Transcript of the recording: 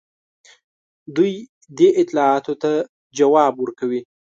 دوی دې اطلاعاتو ته ځواب ورکوي.